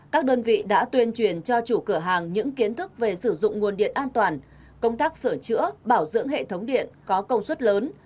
các đơn vị đã tuyên truyền cho chủ cửa hàng những kiến thức về sử dụng nguồn điện an toàn công tác sửa chữa bảo dưỡng hệ thống điện có công suất lớn